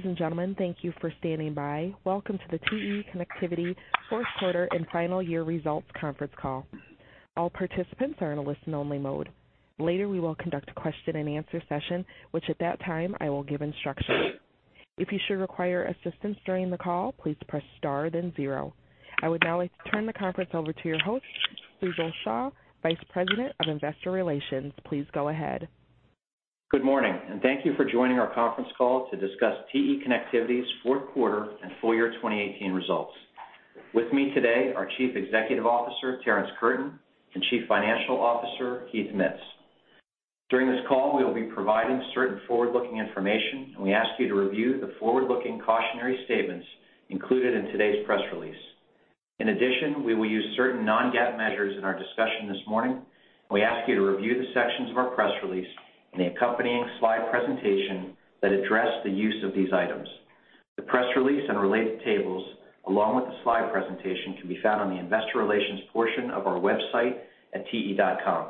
Ladies and gentlemen, thank you for standing by. Welcome to the TE Connectivity fourth quarter and final year results conference call. All participants are in a listen-only mode. Later, we will conduct a question-and-answer session, which at that time I will give instructions. If you should require assistance during the call, please press star, then zero. I would now like to turn the conference over to your host, Sujal Shah, Vice President of Investor Relations. Please go ahead. Good morning, and thank you for joining our conference call to discuss TE Connectivity's fourth quarter and full year 2018 results. With me today are Chief Executive Officer Terrence Curtin and Chief Financial Officer Heath Mitts. During this call, we will be providing certain forward-looking information, and we ask you to review the forward-looking cautionary statements included in today's press release. In addition, we will use certain non-GAAP measures in our discussion this morning, and we ask you to review the sections of our press release and the accompanying slide presentation that address the use of these items. The press release and related tables, along with the slide presentation, can be found on the Investor Relations portion of our website at te.com.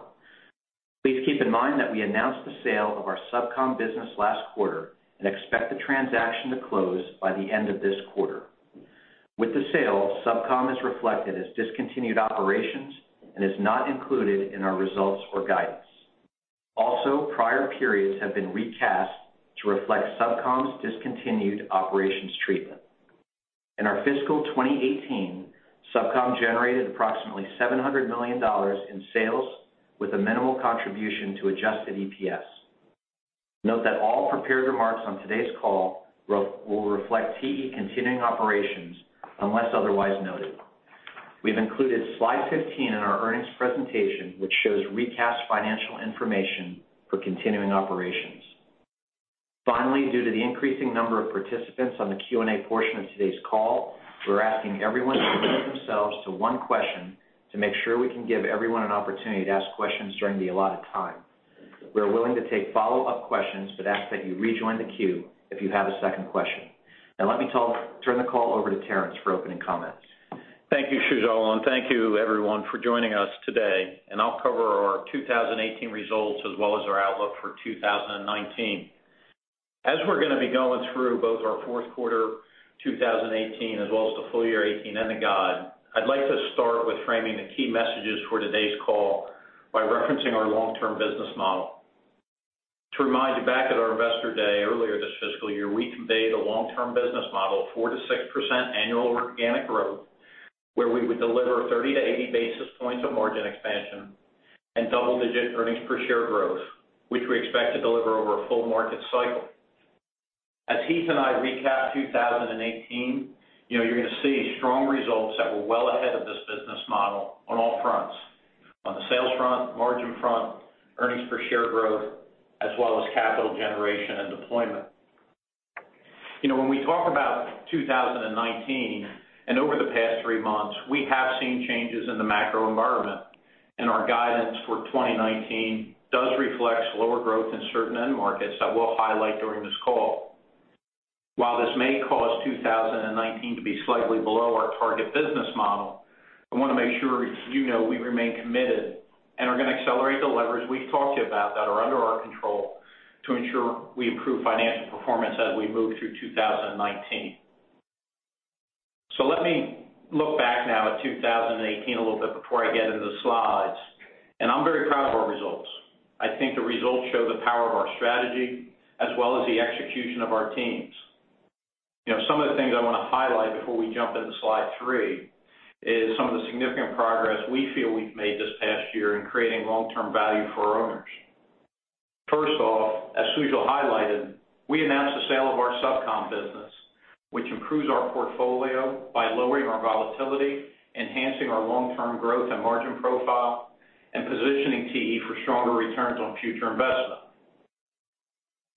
Please keep in mind that we announced the sale of our SubCom business last quarter and expect the transaction to close by the end of this quarter. With the sale, SubCom is reflected as discontinued operations and is not included in our results or guidance. Also, prior periods have been recast to reflect SubCom's discontinued operations treatment. In our fiscal 2018, SubCom generated approximately $700 million in sales with a minimal contribution to adjusted EPS. Note that all prepared remarks on today's call will reflect TE continuing operations unless otherwise noted. We've included Slide 15 in our earnings presentation, which shows recast financial information for continuing operations. Finally, due to the increasing number of participants on the Q&A portion of today's call, we're asking everyone to limit themselves to one question to make sure we can give everyone an opportunity to ask questions during the allotted time. We're willing to take follow-up questions, but ask that you rejoin the queue if you have a second question. Now, let me turn the call over to Terrence for opening comments. Thank you, Sujal, and thank you, everyone, for joining us today. I'll cover our 2018 results as well as our outlook for 2019. As we're going to be going through both our fourth quarter 2018 as well as the full year 2018 and the guide, I'd like to start with framing the key messages for today's call by referencing our long-term business model. To remind you, back at our investor day earlier this fiscal year, we conveyed a long-term business model of 4%-6% annual organic growth, where we would deliver 30-80 basis points of margin expansion and double-digit earnings per share growth, which we expect to deliver over a full market cycle. As Heath and I recap 2018, you're going to see strong results that were well ahead of this business model on all fronts: on the sales front, margin front, earnings per share growth, as well as capital generation and deployment. When we talk about 2019 and over the past three months, we have seen changes in the macro environment, and our guidance for 2019 does reflect slower growth in certain end markets that we'll highlight during this call. While this may cause 2019 to be slightly below our target business model, I want to make sure you know we remain committed and are going to accelerate the levers we've talked to you about that are under our control to ensure we improve financial performance as we move through 2019. So let me look back now at 2018 a little bit before I get into the slides. I'm very proud of our results. I think the results show the power of our strategy as well as the execution of our teams. Some of the things I want to highlight before we jump into Slide 3 is some of the significant progress we feel we've made this past year in creating long-term value for our owners. First off, as Sujal highlighted, we announced the sale of our SubCom business, which improves our portfolio by lowering our volatility, enhancing our long-term growth and margin profile, and positioning TE for stronger returns on future investment.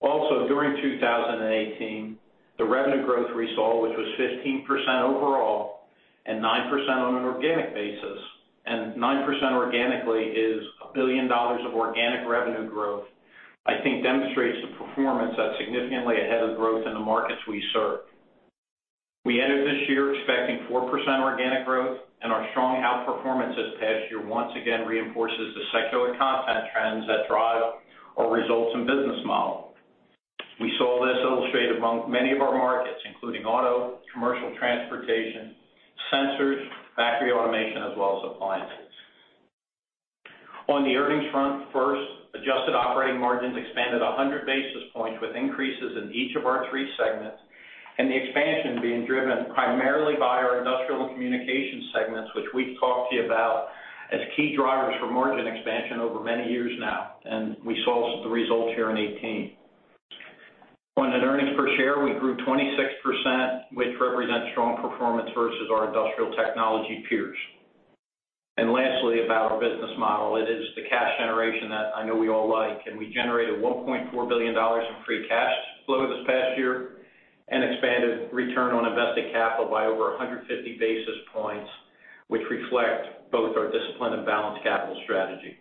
Also, during 2018, the revenue growth we saw, which was 15% overall and 9% on an organic basis, and 9% organically is $1 billion of organic revenue growth, I think demonstrates the performance that's significantly ahead of growth in the markets we serve. We entered this year expecting 4% organic growth, and our strong outperformance this past year once again reinforces the secular content trends that drive our results and business model. We saw this illustrated among many of our markets, including Commercial Transportation, sensors, factory automation, as well as Appliances. On the earnings front, first, adjusted operating margins expanded 100 basis points with increases in each of our three segments, and the expansion being driven primarily by our Industrial and Communications segments, which we've talked to you about as key drivers for margin expansion over many years now. We saw the results here in 2018. On an earnings per share, we grew 26%, which represents strong performance versus our Industrial technology peers. Lastly, about our business model, it is the cash generation that I know we all like. We generated $1.4 billion in Free Cash Flow this past year and expanded return on invested capital by over 150 basis points, which reflect both our discipline and balanced capital strategy.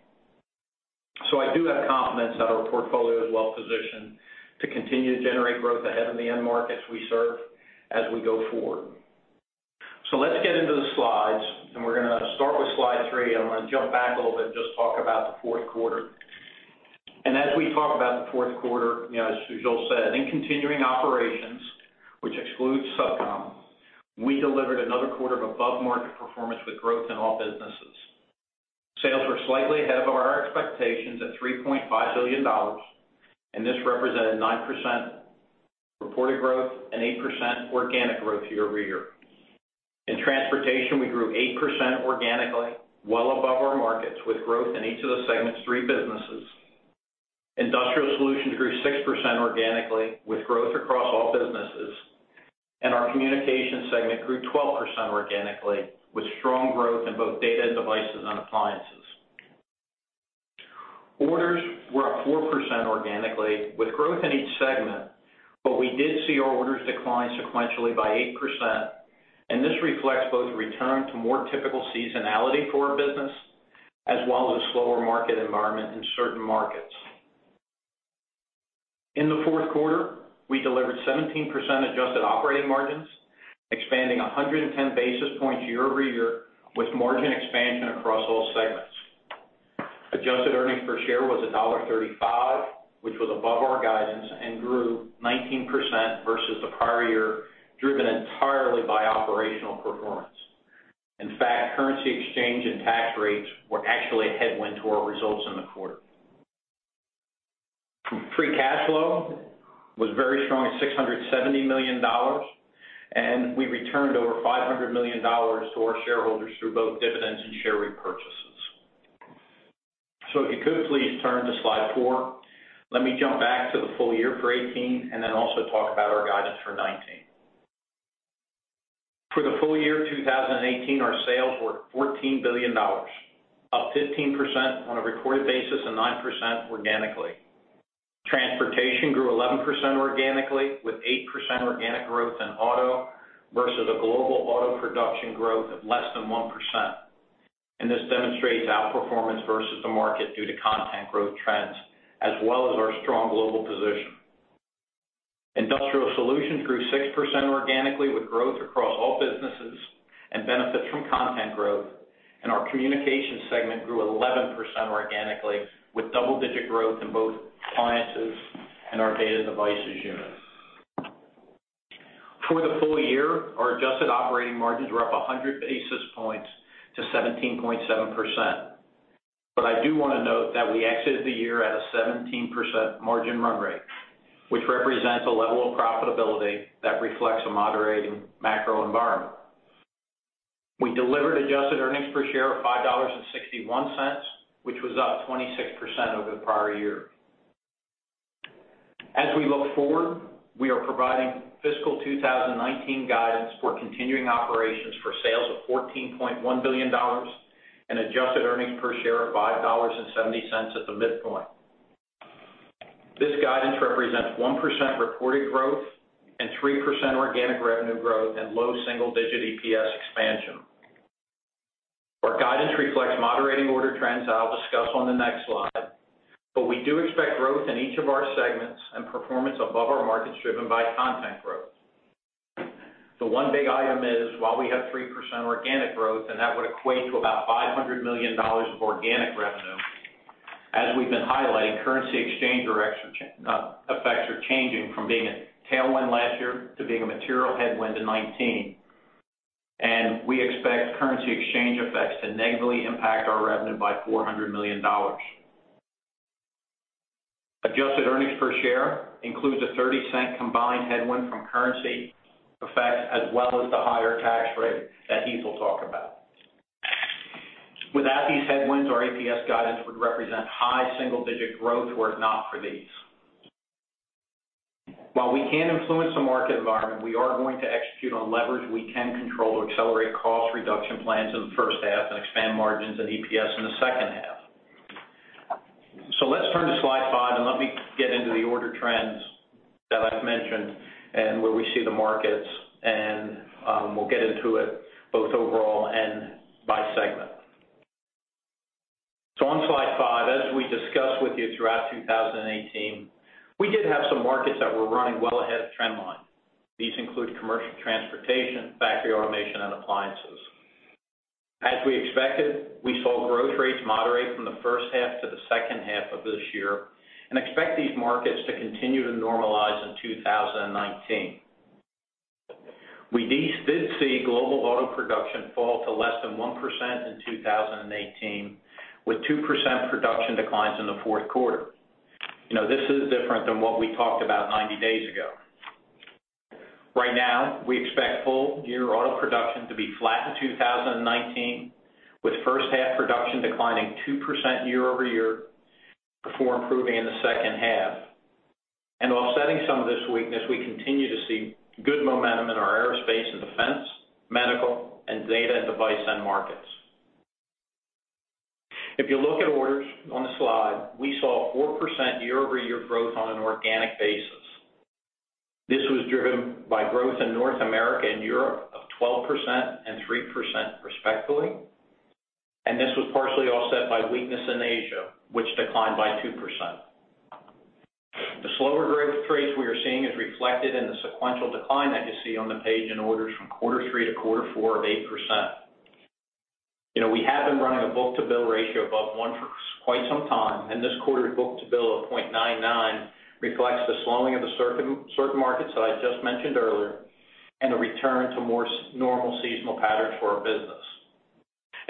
I do have confidence that our portfolio is well positioned to continue to generate growth ahead of the end markets we serve as we go forward. Let's get into the slides, and we're going to start with Slide 3, and I'm going to jump back a little bit and just talk about the fourth quarter. As we talk about the fourth quarter, as Sujal said, in continuing operations, which excludes SubCom, we delivered another quarter of above-market performance with growth in all businesses. Sales were slightly ahead of our expectations at $3.5 billion, and this represented 9% reported growth and 8% organic growth year-over-year. In Transportation, we grew 8% organically, well above our markets, with growth in each of the segments' three businesses. Industrial Solutions grew 6% organically, with growth across all businesses. Our Communications segment grew 12% organically, with strong growth in both Data and Devices and Appliances. Orders were up 4% organically, with growth in each segment, but we did see our orders decline sequentially by 8%, and this reflects both return to more typical seasonality for our business as well as a slower market environment in certain markets. In the fourth quarter, we delivered 17% adjusted operating margins, expanding 110 basis points year-over-year with margin expansion across all segments. Adjusted earnings per share was $1.35, which was above our guidance and grew 19% versus the prior year, driven entirely by operational performance. In fact, currency exchange and tax rates were actually a headwind to our results in the quarter. Free cash flow was very strong at $670 million, and we returned over $500 million to our shareholders through both dividends and share repurchases. So if you could please turn to Slide 4, let me jump back to the full year for 2018 and then also talk about our guidance for 2019. For the full year 2018, our sales were $14 billion, up 15% on a recorded basis and 9% organically. Transportation grew 11% organically, with 8% organic growth in auto versus a global auto production growth of less than 1%. And this demonstrates outperformance versus the market due to content growth trends as well as our strong global position. Industrial Solutions grew 6% organically, with growth across all businesses and benefits from content growth. Our communications segment grew 11% organically, with double-digit growth in both Appliances and our Data and Devices units. For the full year, our adjusted operating margins were up 100 basis points to 17.7%. But I do want to note that we exited the year at a 17% margin run rate, which represents a level of profitability that reflects a moderating macro environment. We delivered adjusted earnings per share of $5.61, which was up 26% over the prior year. As we look forward, we are providing fiscal 2019 guidance for continuing operations for sales of $14.1 billion and adjusted earnings per share of $5.70 at the midpoint. This guidance represents 1% reported growth and 3% organic revenue growth and low single-digit EPS expansion. Our guidance reflects moderating order trends that I'll discuss on the next slide, but we do expect growth in each of our segments and performance above our markets driven by content growth. The one big item is, while we have 3% organic growth, and that would equate to about $500 million of organic revenue. As we've been highlighting, currency exchange effects are changing from being a tailwind last year to being a material headwind in 2019, and we expect currency exchange effects to negatively impact our revenue by $400 million. Adjusted earnings per share includes a $0.30 combined headwind from currency effects as well as the higher tax rate that Heath will talk about. Without these headwinds, our EPS guidance would represent high single-digit growth were it not for these. While we can influence the market environment, we are going to execute on levers we can control to accelerate cost reduction plans in the first half and expand margins and EPS in the second half. So let's turn to Slide 5, and let me get into the order trends that I've mentioned and where we see the markets, and we'll get into it both overall and by segment. So on Slide 5, as we discussed with you throughout 2018, we did have some markets that were running well ahead of trend line. These Commercial Transportation, factory automation, and Appliances. As we expected, we saw growth rates moderate from the first half to the second half of this year and expect these markets to continue to normalize in 2019. We did see global auto production fall to less than 1% in 2018, with 2% production declines in the fourth quarter. This is different than what we talked about 90 days ago. Right now, we expect full year auto production to be flat in 2019, with first half production declining 2% year-over-year before improving in the second half. Offsetting some of this weakness, we continue to see good momentum in our aerospace and defense, medical, and data and device end markets. If you look at orders on the slide, we saw 4% year-over-year growth on an organic basis. This was driven by growth in North America and Europe of 12% and 3% respectively, and this was partially offset by weakness in Asia, which declined by 2%. The slower growth rates we are seeing are reflected in the sequential decline that you see on the page in orders from quarter three to quarter four of 8%. We have been running a book-to-bill ratio above one for quite some time, and this quarter's book-to-bill of 0.99 reflects the slowing of the certain markets that I just mentioned earlier and the return to more normal seasonal patterns for our business.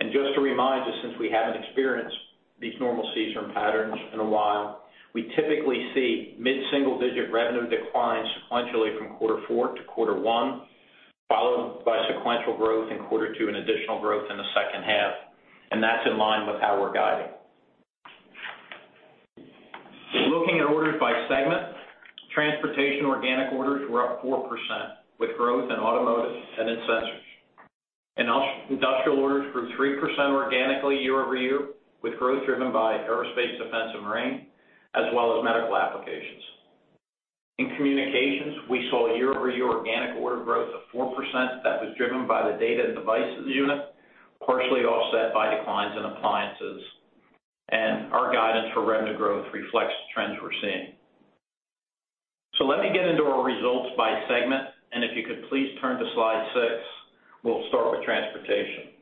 And just to remind you, since we haven't experienced these normal season patterns in a while, we typically see mid-single-digit revenue declines sequentially from quarter four to quarter one, followed by sequential growth in quarter two and additional growth in the second half, and that's in line with how we're guiding. Looking at orders by segment, Transportation organic orders were up 4%, with growth in Automotive and in Sensors. Industrial orders grew 3% organically year-over-year, with growth driven by Aerospace, Defense, and Marine, as well as medical applications. In communications, we saw year-over-year organic order growth of 4% that was driven by the Data and Devices unit, partially offset by declines in Appliances. Our guidance for revenue growth reflects the trends we're seeing. Let me get into our results by segment, and if you could please turn to Slide 6, we'll start with Transportation.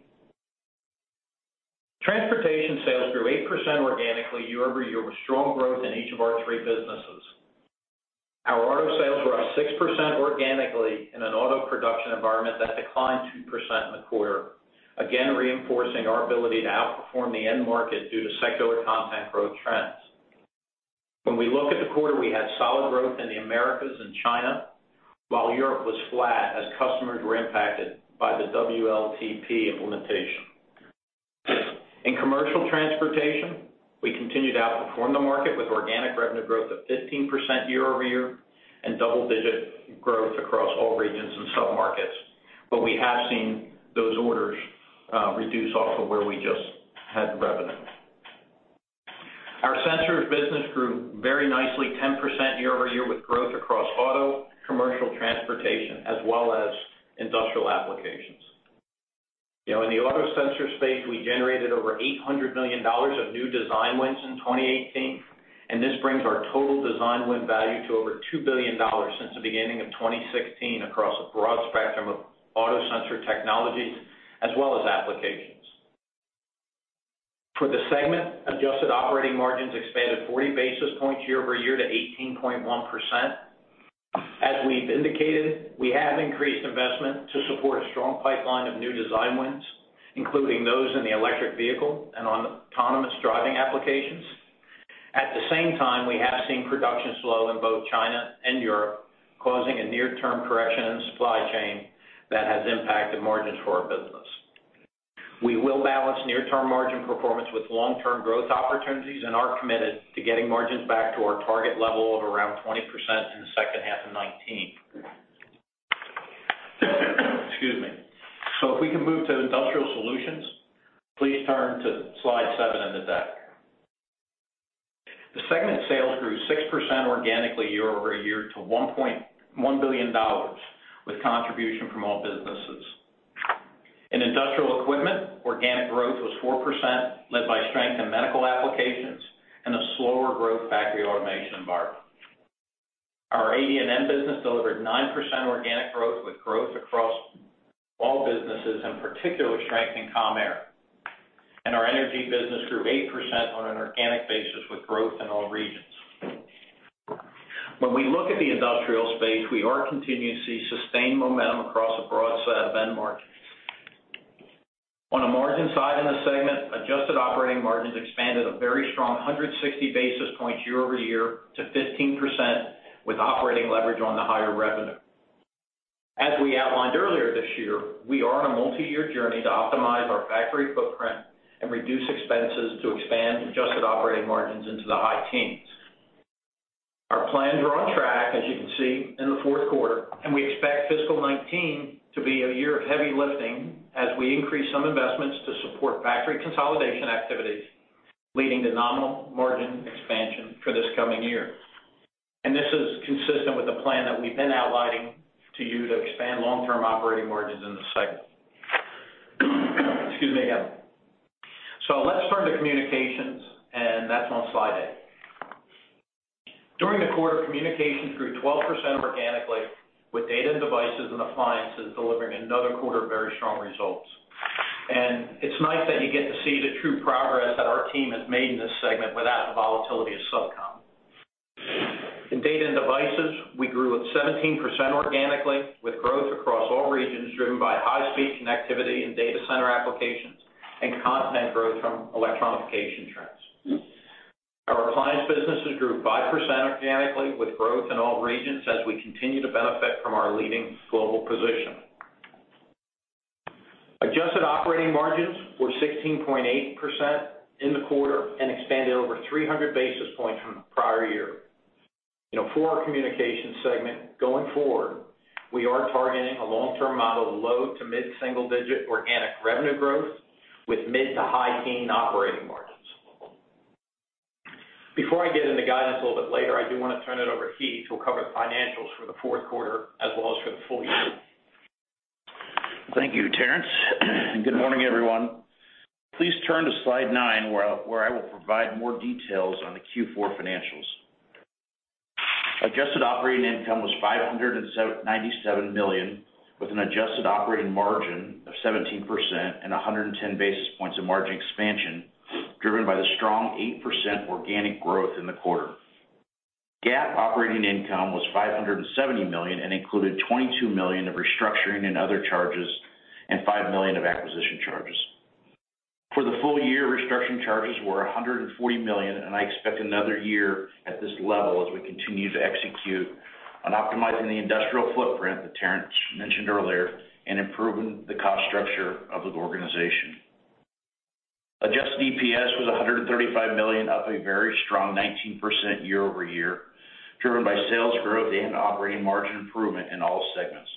Transportation sales grew 8% organically year-over-year with strong growth in each of our three businesses. Our auto sales were up 6% organically in an auto production environment that declined 2% in the quarter, again reinforcing our ability to outperform the end market due to secular content growth trends. When we look at the quarter, we had solid growth in the Americas and China, while Europe was flat as customers were impacted by the WLTP implementation. Commercial Transportation, we continued to outperform the market with organic revenue growth of 15% year-over-year and double-digit growth across all regions and submarkets, but we have seen those orders reduce off of where we just had revenue. Our Sensors business grew very nicely 10% year-over-year with growth across Commercial Transportation, as well as Industrial applications. In the auto sensor space, we generated over $800 million of new design wins in 2018, and this brings our total design win value to over $2 billion since the beginning of 2016 across a broad spectrum of auto sensor technologies as well as applications. For the segment, adjusted operating margins expanded 40 basis points year-over-year to 18.1%. As we've indicated, we have increased investment to support a strong pipeline of new design wins, including those in the electric vehicle and autonomous driving applications. At the same time, we have seen production slow in both China and Europe, causing a near-term correction in the supply chain that has impacted margins for our business. We will balance near-term margin performance with long-term growth opportunities and are committed to getting margins back to our target level of around 20% in the second half of 2019. Excuse me. So if we can move to Industrial Solutions, please turn to Slide 7 in the deck. The segment sales grew 6% organically year-over-year to $1.1 billion, with contribution from all businesses. In Industrial Equipment, organic growth was 4%, led by strength in medical applications and a slower growth factory automation environment. Our AD&M business delivered 9% organic growth with growth across all businesses, in particular strength in commercial aerospace. Our Energy business grew 8% on an organic basis with growth in all regions. When we look at the Industrial space, we are continuing to see sustained momentum across a broad set of end markets. On a margin side in the segment, adjusted operating margins expanded a very strong 160 basis points year-over-year to 15%, with operating leverage on the higher revenue. As we outlined earlier this year, we are on a multi-year journey to optimize our factory footprint and reduce expenses to expand adjusted operating margins into the high teens. Our plans are on track, as you can see, in the fourth quarter, and we expect fiscal 2019 to be a year of heavy lifting as we increase some investments to support factory consolidation activities, leading to nominal margin expansion for this coming year. This is consistent with the plan that we've been outlining to you to expand long-term operating margins in the segment. Excuse me. Let's turn to communications, and that's on Slide 8. During the quarter, communications grew 12% organically, with Data and Devices and Appliances delivering another quarter of very strong results. It's nice that you get to see the true progress that our team has made in this segment without the volatility of SubCom. In Data and Devices, we grew at 17% organically, with growth across all regions driven by high-speed connectivity and data center applications and content growth from electrification trends. Our Appliances businesses grew 5% organically, with growth in all regions as we continue to benefit from our leading global position. Adjusted operating margins were 16.8% in the quarter and expanded over 300 basis points from the prior year. For our Communications segment, going forward, we are targeting a long-term model of low to mid-single-digit organic revenue growth with mid to high-teens operating margins. Before I get into guidance a little bit later, I do want to turn it over to Heath who'll cover the financials for the fourth quarter as well as for the full year. Thank you, Terrence. Good morning, everyone. Please turn to Slide 9, where I will provide more details on the Q4 financials. Adjusted operating income was $597 million, with an adjusted operating margin of 17% and 110 basis points of margin expansion driven by the strong 8% organic growth in the quarter. GAAP operating income was $570 million and included $22 million of restructuring and other charges and $5 million of acquisition charges. For the full year, restructuring charges were $140 million, and I expect another year at this level as we continue to execute on optimizing the Industrial footprint that Terrence mentioned earlier and improving the cost structure of the organization. Adjusted EPS was $135 million, up a very strong 19% year-over-year, driven by sales growth and operating margin improvement in all segments.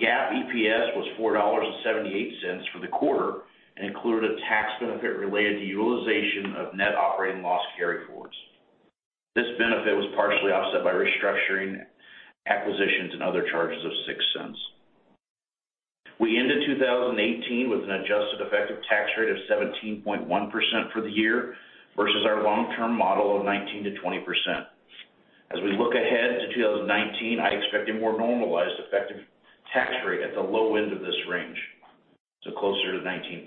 GAAP EPS was $4.78 for the quarter and included a tax benefit related to utilization of net operating loss carry forwards. This benefit was partially offset by restructuring acquisitions and other charges of $0.06. We ended 2018 with an adjusted effective tax rate of 17.1% for the year versus our long-term model of 19%-20%. As we look ahead to 2019, I expect a more normalized effective tax rate at the low end of this range, so closer to 19%.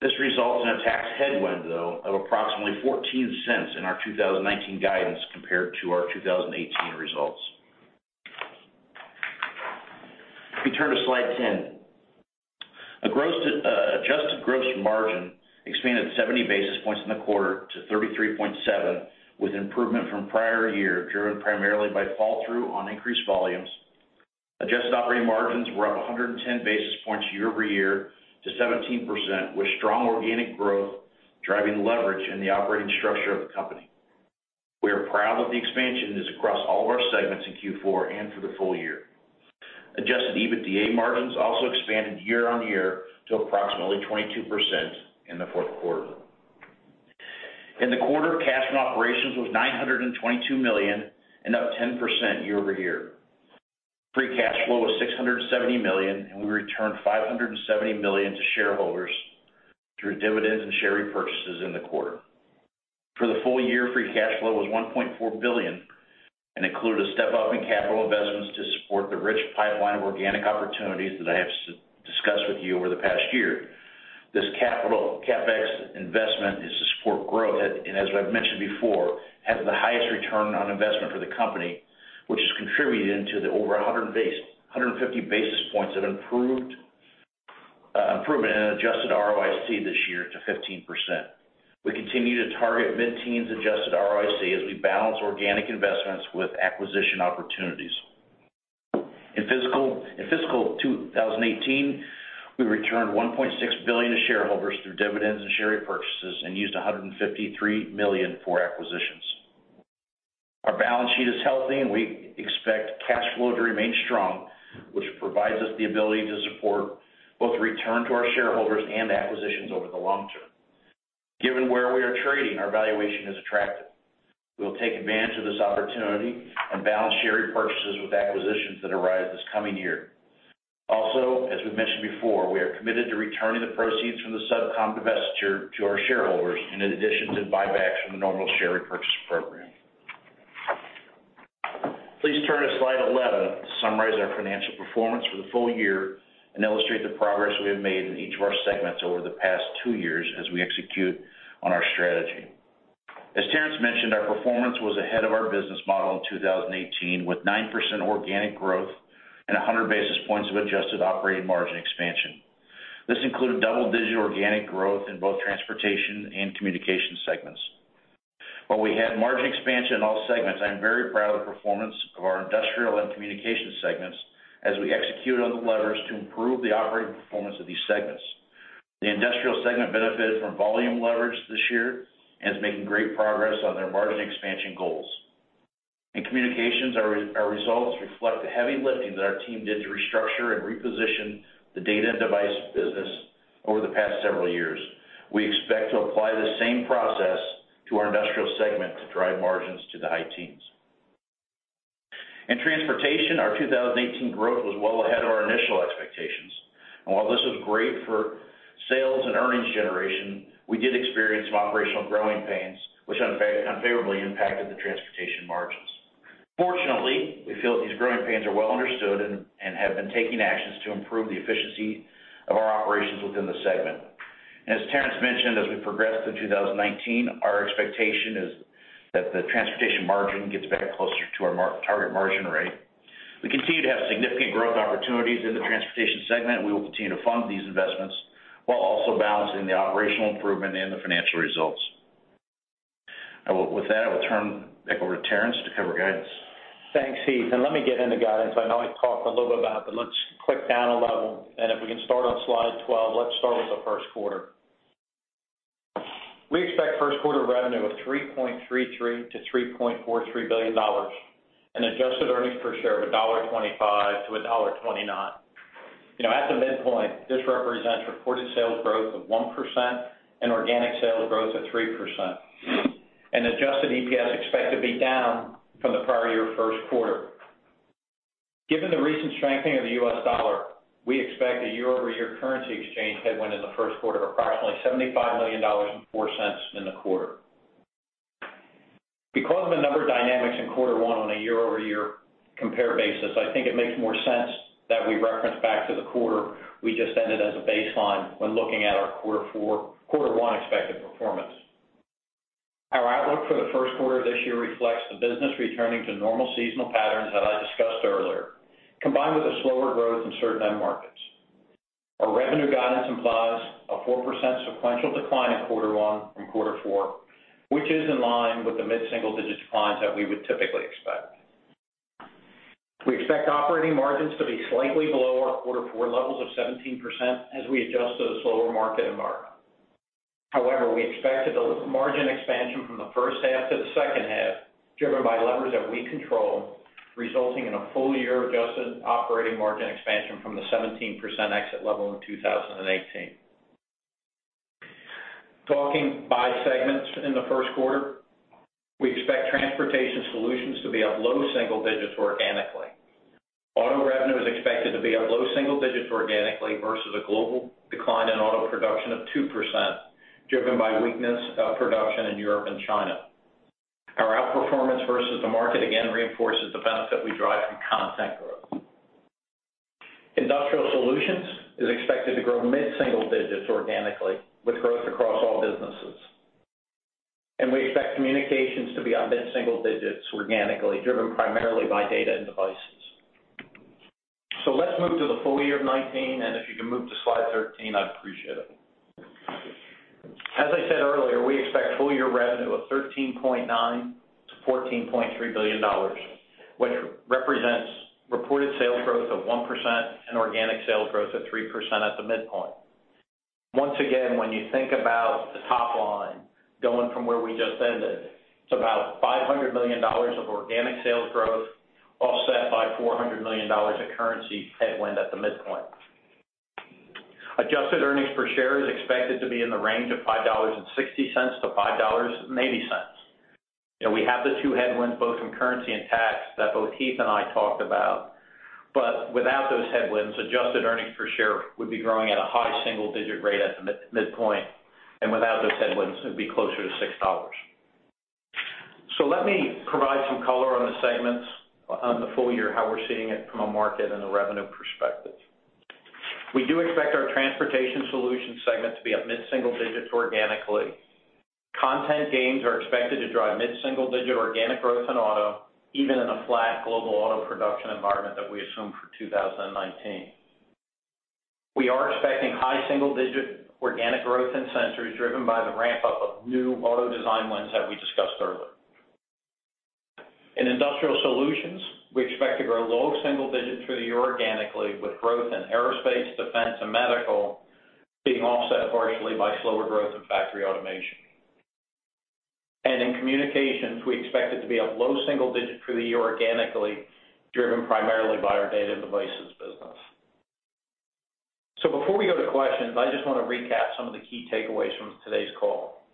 This results in a tax headwind, though, of approximately $0.14 in our 2019 guidance compared to our 2018 results. We turn to Slide 10. Adjusted gross margin expanded 70 basis points in the quarter to 33.7%, with improvement from prior year driven primarily by fall-through on increased volumes. Adjusted operating margins were up 110 basis points year-over-year to 17%, with strong organic growth driving leverage in the operating structure of the company. We are proud that the expansion is across all of our segments in Q4 and for the full year. Adjusted EBITDA margins also expanded year-over-year to approximately 22% in the fourth quarter. In the quarter, cash from operations was $922 million, an up 10% year-over-year. Free cash flow was $670 million, and we returned $570 million to shareholders through dividends and share repurchases in the quarter. For the full year, free cash flow was $1.4 billion and included a step-up in capital investments to support the rich pipeline of organic opportunities that I have discussed with you over the past year. This CapEx investment is to support growth and, as I've mentioned before, has the highest return on investment for the company, which has contributed to the over 150 basis points of improvement in adjusted ROIC this year to 15%. We continue to target mid-teens Adjusted ROIC as we balance organic investments with acquisition opportunities. In fiscal 2018, we returned $1.6 billion to shareholders through dividends and share repurchases and used $153 million for acquisitions. Our balance sheet is healthy, and we expect cash flow to remain strong, which provides us the ability to support both return to our shareholders and acquisitions over the long term. Given where we are trading, our valuation is attractive. We will take advantage of this opportunity and balance share repurchases with acquisitions that arise this coming year. Also, as we've mentioned before, we are committed to returning the proceeds from the SubCom divestiture to our shareholders in addition to buybacks from the normal share repurchase program. Please turn to Slide 11 to summarize our financial performance for the full year and illustrate the progress we have made in each of our segments over the past two years as we execute on our strategy. As Terrence mentioned, our performance was ahead of our business model in 2018 with 9% organic growth and 100 basis points of adjusted operating margin expansion. This included double-digit organic growth in both Transportation and communication segments. While we had margin expansion in all segments, I'm very proud of the performance of our Industrial and communication segments as we execute on the levers to improve the operating performance of these segments. The Industrial segment benefited from volume leverage this year and is making great progress on their margin expansion goals. In Communications, our results reflect the heavy lifting that our team did to restructure and reposition the Data and Devices business over the past several years. We expect to apply the same process to our Industrial Solutions segment to drive margins to the high teens. In Transportation Solutions, our 2018 growth was well ahead of our initial expectations. And while this was great for sales and earnings generation, we did experience some operational growing pains, which unfavorably impacted the Transportation Solutions margins. Fortunately, we feel that these growing pains are well understood and have been taking actions to improve the efficiency of our operations within the segment. As Terrence mentioned, as we progress through 2019, our expectation is that the Transportation Solutions margin gets back closer to our target margin rate. We continue to have significant growth opportunities in the Transportation segment, and we will continue to fund these investments while also balancing the operational improvement and the financial results. With that, I will turn back over to Terrence to cover guidance. Thanks, Heath. Let me get into guidance. I know I talked a little bit about it, but let's click down a level. If we can start on Slide 12, let's start with the first quarter. We expect first quarter revenue of $3.33-$3.43 billion and adjusted earnings per share of $1.25-$1.29. At the midpoint, this represents reported sales growth of 1% and organic sales growth of 3%. Adjusted EPS expected to be down from the prior year first quarter. Given the recent strengthening of the US dollar, we expect a year-over-year currency exchange headwind in the first quarter of approximately $75 million and $0.04 in the quarter. Because of a number of dynamics in quarter one on a year-over-year compare basis, I think it makes more sense that we reference back to the quarter we just ended as a baseline when looking at our quarter one expected performance. Our outlook for the first quarter of this year reflects the business returning to normal seasonal patterns that I discussed earlier, combined with a slower growth in certain end markets. Our revenue guidance implies a 4% sequential decline in quarter one from quarter four, which is in line with the mid-single-digit declines that we would typically expect. We expect operating margins to be slightly below our quarter four levels of 17% as we adjust to the slower market environment. However, we expect a margin expansion from the first half to the second half driven by levers that we control, resulting in a full year adjusted operating margin expansion from the 17% exit level in 2018. Talking by segments in the first quarter, we expect Transportation Solutions to be at low single digits organically. Auto revenue is expected to be at low single digits organically versus a global decline in auto production of 2% driven by weakness of production in Europe and China. Our outperformance versus the market again reinforces the benefit we drive from content growth. Industrial Solutions is expected to grow mid-single digits organically with growth across all businesses. We expect communications to be on mid-single digits organically driven primarily by Data and Devices. So let's move to the full year of 2019, and if you can move to Slide 13, I'd appreciate it. As I said earlier, we expect full year revenue of $13.9-$14.3 billion, which represents reported sales growth of 1% and organic sales growth of 3% at the midpoint. Once again, when you think about the top line going from where we just ended, it's about $500 million of organic sales growth offset by $400 million of currency headwind at the midpoint. Adjusted earnings per share is expected to be in the range of $5.60-$5.80. We have the two headwinds, both from currency and tax, that both Heath and I talked about. But without those headwinds, adjusted earnings per share would be growing at a high single-digit rate at the midpoint. And without those headwinds, it would be closer to $6. So let me provide some color on the segments on the full year, how we're seeing it from a market and a revenue perspective. We do expect our Transportation Solutions segment to be at mid-single digits organically. Content gains are expected to drive mid-single digit organic growth in auto, even in a flat global auto production environment that we assume for 2019. We are expecting high single-digit organic growth in Sensors driven by the ramp-up of new auto design wins that we discussed earlier. In Industrial Solutions, we expect to grow low single digits for the year organically, with growth in aerospace, defense, and medical being offset partially by slower growth in factory automation. In communications, we expect it to be a low single digit for the year organically, driven primarily by our Data and Devices business. Before we go to questions, I just want to recap some of the key takeaways from today's call.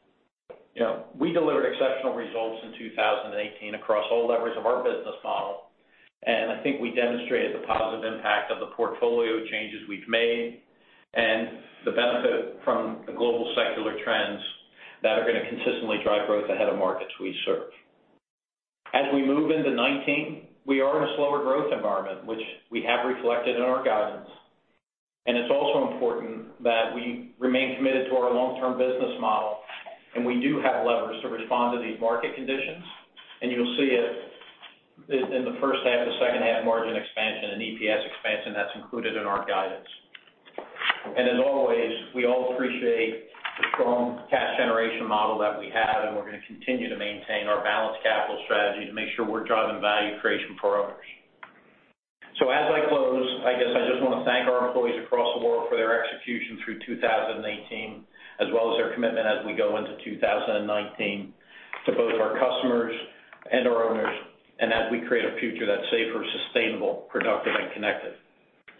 We delivered exceptional results in 2018 across all levers of our business model. I think we demonstrated the positive impact of the portfolio changes we've made and the benefit from the global secular trends that are going to consistently drive growth ahead of markets we serve. As we move into 2019, we are in a slower growth environment, which we have reflected in our guidance. It's also important that we remain committed to our long-term business model. We do have levers to respond to these market conditions. You'll see it in the first half, the second half margin expansion and EPS expansion that's included in our guidance. As always, we all appreciate the strong cash generation model that we have, and we're going to continue to maintain our balanced capital strategy to make sure we're driving value creation for owners. As I close, I guess I just want to thank our employees across the world for their execution through 2018, as well as their commitment as we go into 2019 to both our customers and our owners, and as we create a future that's safer, sustainable, productive, and connected.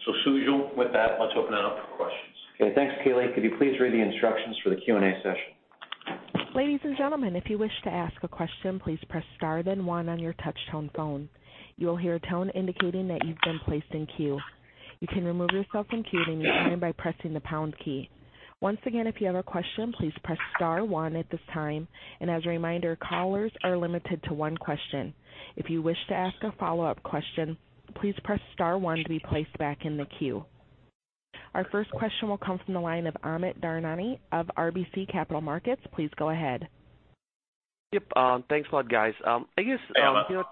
So, Sujal, with that, let's open it up for questions. Okay. Thanks. Keely, could you please read the instructions for the Q&A session? Ladies and gentlemen, if you wish to ask a question, please press star then one on your touch-tone phone. You will hear a tone indicating that you've been placed in queue. You can remove yourself from queue at any time by pressing the pound key. Once again, if you have a question, please press star one at this time. And as a reminder, callers are limited to one question. If you wish to ask a follow-up question, please press star one to be placed back in the queue. Our first question will come from the line of Amit Daryanani of RBC Capital Markets. Please go ahead. Yep. Thanks a lot, guys. I guess. Thank you.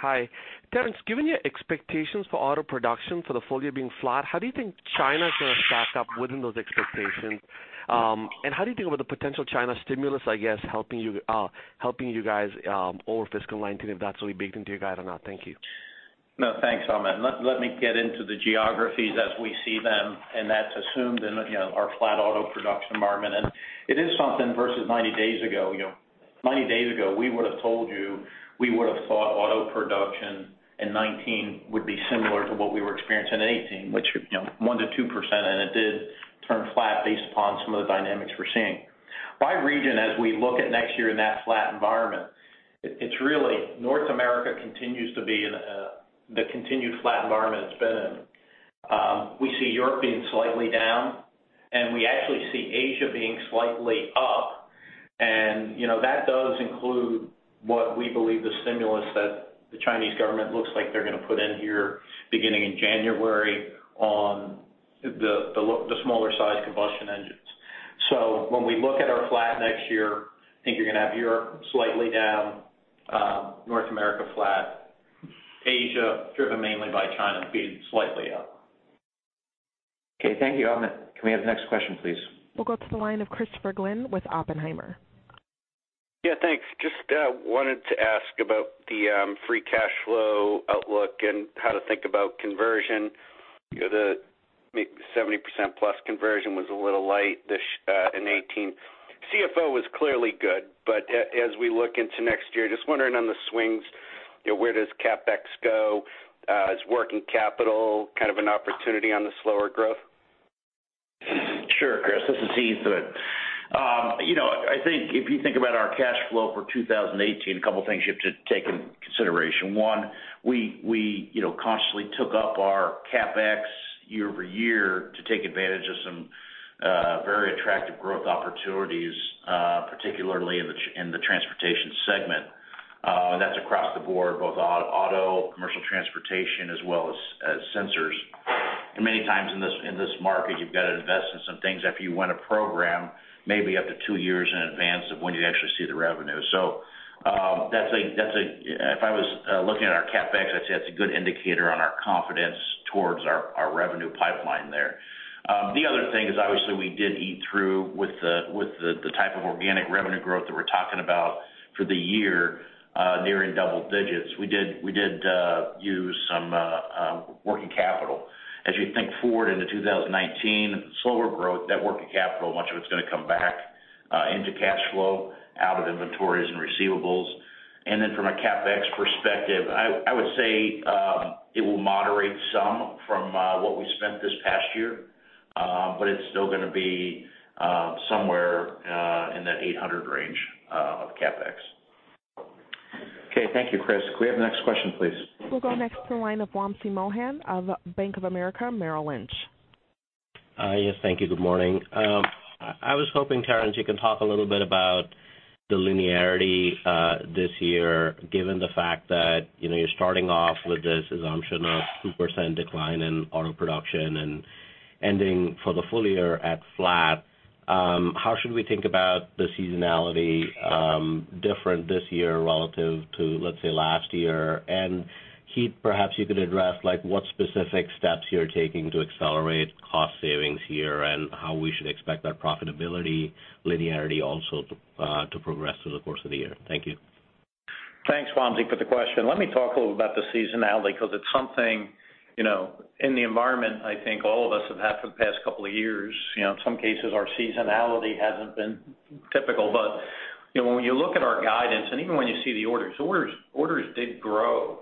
Hi. Terrence, given your expectations for auto production for the full year being flat, how do you think China is going to stack up within those expectations? And how do you think about the potential China stimulus, I guess, helping you guys over fiscal 2019, if that's really baked into your guide or not? Thank you. No, thanks, Amit. Let me get into the geographies as we see them. That's assumed in our flat auto production environment. And it is something versus 90 days ago. 90 days ago, we would have told you we would have thought auto production in 2019 would be similar to what we were experiencing in 2018, which is 1%-2%. And it did turn flat based upon some of the dynamics we're seeing. By region, as we look at next year in that flat environment, it's really North America continues to be in the continued flat environment it's been in. We see Europe being slightly down, and we actually see Asia being slightly up. And that does include what we believe the stimulus that the Chinese government looks like they're going to put in here beginning in January on the smaller-sized combustion engines. So when we look at our flat next year, I think you're going to have Europe slightly down, North America flat, Asia driven mainly by China being slightly up. Okay. Thank you, Amit. Can we have the next question, please? We'll go to the line of Christopher Glynn with Oppenheimer. Yeah, thanks. Just wanted to ask about the free cash flow outlook and how to think about conversion. The 70%+ conversion was a little light in 2018. CFO was clearly good. But as we look into next year, just wondering on the swings, where does CapEx go? Is working capital kind of an opportunity on the slower growth? Sure, Chris. This is Heath. I think if you think about our cash flow for 2018, a couple of things you have to take into consideration. One, we consciously took up our CapEx year-over-year to take advantage of some very attractive growth opportunities, particularly in the Transportation segment. And that's across the board, both Commercial Transportation, as well as Sensors. And many times in this market, you've got to invest in some things after you win a program, maybe up to two years in advance of when you actually see the revenue. So if I was looking at our CapEx, I'd say that's a good indicator on our confidence towards our revenue pipeline there. The other thing is, obviously, we did eat through with the type of organic revenue growth that we're talking about for the year, nearing double digits. We did use some working capital. As you think forward into 2019, slower growth, that working capital, much of it's going to come back into cash flow out of inventories and receivables. And then from a CapEx perspective, I would say it will moderate some from what we spent this past year, but it's still going to be somewhere in that $800 million range of CapEx. Okay. Thank you, Chris. Could we have the next question, please? We'll go next to the line of Wamsi Mohan of Bank of America Merrill Lynch. Yes, thank you. Good morning. I was hoping, Terrence, you can talk a little bit about the linearity this year, given the fact that you're starting off with this assumption of 2% decline in auto production and ending for the full year at flat. How should we think about the seasonality different this year relative to, let's say, last year? Heath, perhaps you could address what specific steps you're taking to accelerate cost savings here and how we should expect that profitability linearity also to progress through the course of the year. Thank you. Thanks, Wamsi, for the question. Let me talk a little about the seasonality because it's something in the environment I think all of us have had for the past couple of years. In some cases, our seasonality hasn't been typical. But when you look at our guidance and even when you see the orders, orders did grow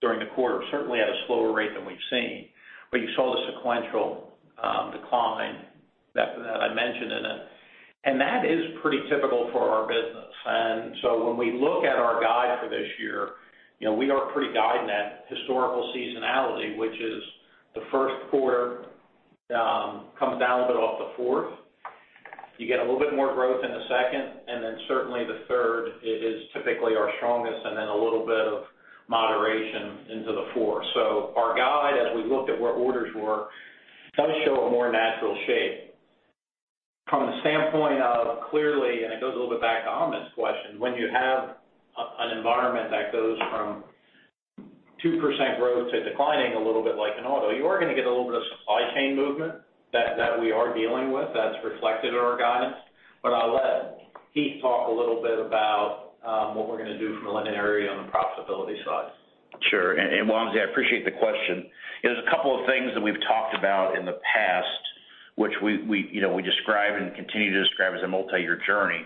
during the quarter, certainly at a slower rate than we've seen. But you saw the sequential decline that I mentioned in it. And that is pretty typical for our business. When we look at our guide for this year, we are pretty guiding that historical seasonality, which is the first quarter comes down a little bit off the fourth. You get a little bit more growth in the second. And then certainly the third is typically our strongest, and then a little bit of moderation into the fourth. So our guide, as we looked at where orders were, does show a more natural shape. From the standpoint of clearly, and it goes a little bit back to Amit's question, when you have an environment that goes from 2% growth to declining a little bit like in auto, you are going to get a little bit of supply chain movement that we are dealing with that's reflected in our guidance. But I'll let Heath talk a little bit about what we're going to do from a linearity on the profitability side. Sure. Wamsi, I appreciate the question. There's a couple of things that we've talked about in the past, which we describe and continue to describe as a multi-year journey.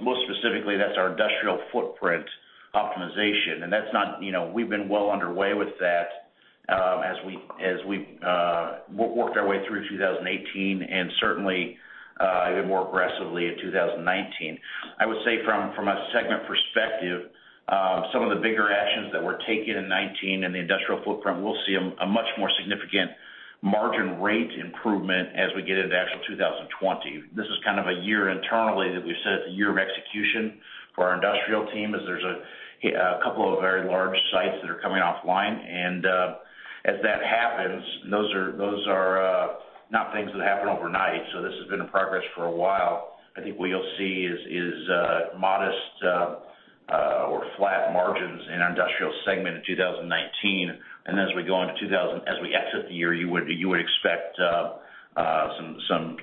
Most specifically, that's our Industrial footprint optimization. And that's not we've been well underway with that as we've worked our way through 2018 and certainly even more aggressively in 2019. I would say from a segment perspective, some of the bigger actions that we're taking in 2019 and the Industrial footprint, we'll see a much more significant margin rate improvement as we get into actual 2020. This is kind of a year internally that we've said it's a year of execution for our Industrial team as there's a couple of very large sites that are coming offline. As that happens, those are not things that happen overnight. This has been a progress for a while. I think what you'll see is modest or flat margins in our Industrial segment in 2019. Then as we go into 2020, as we exit the year, you would expect some